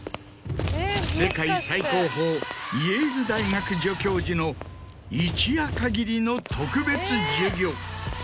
世界最高峰イェール大学助教授の一夜限りの特別授業。